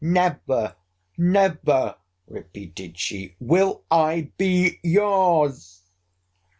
Never, never, repeated she, will I be your's!